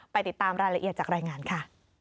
ติดตามรายละเอียดจากรายงานค่ะ